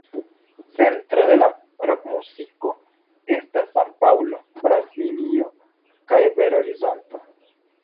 Centroj de la rokmuziko estas San-Paŭlo, Braziljo kaj Bel-Horizonto.